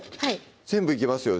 全部いきますよ